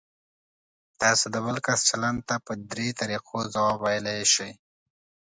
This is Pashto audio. تاسو د بل کس چلند ته په درې طریقو ځواب ویلی شئ.